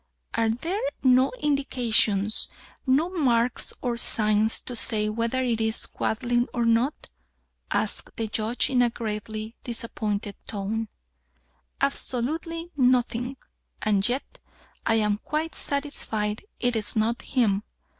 "Are there no indications, no marks or signs, to say whether it is Quadling or not?" asked the Judge in a greatly disappointed tone. "Absolutely nothing. And yet I am quite satisfied it is not him.